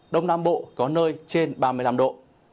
đông nam bộ có nơi trên ba mươi năm độ